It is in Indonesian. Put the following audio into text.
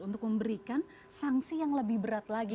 untuk memberikan sanksi yang lebih berat lagi